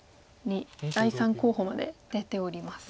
に第３候補まで出ております。